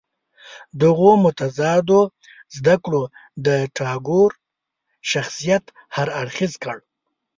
دغو متضادو زده کړو د ټاګور شخصیت هر اړخیز کړ.